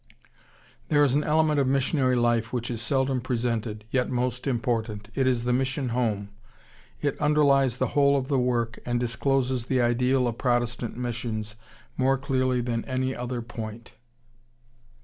There is an element of missionary life which is seldom presented, yet most important. It is the mission home.... It underlies the whole of the work, and discloses the ideal of Protestant missions more clearly than any other point....